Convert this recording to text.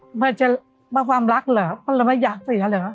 ทำไมจะมากความรักเหรอทำไมเราไม่อยากเสียเหรอ